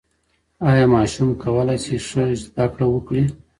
ایا ماشوم کولای سي ښه زده کړه وکړي؟